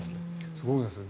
すごいですね。